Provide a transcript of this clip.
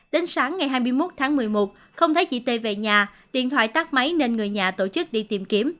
đến sáng ngày hai mươi một tháng một mươi một không thấy chị t về nhà điện thoại tắt máy nên người nhà tổ chức đi tìm kiếm